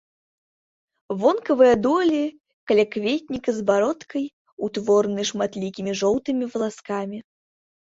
Вонкавыя долі калякветніка з бародкай, утворанай шматлікімі жоўтымі валаскамі.